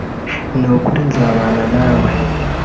“Ni ukuri nzabana nawe